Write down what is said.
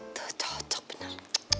itu cocok benar